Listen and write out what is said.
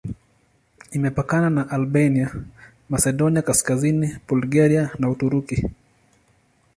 Imepakana na Albania, Masedonia Kaskazini, Bulgaria na Uturuki.